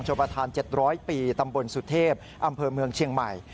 ประธาน๗๐๐ปีตำบลสุเทพอำเภอเมืองเชียงใหม่